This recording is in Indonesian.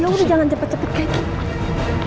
ya udah jangan cepet cepet kayak gitu